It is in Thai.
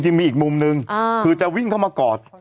มีอีกมุมนึงคือจะวิ่งเข้ามากอด